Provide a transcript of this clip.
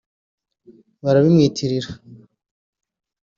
barabimwitirira